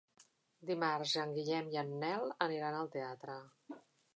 Dimarts en Guillem i en Nel aniran al teatre.